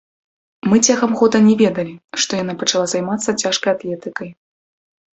Мы цягам года не ведалі, што яна пачала займацца цяжкай атлетыкай.